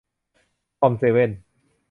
คอมเซเว่น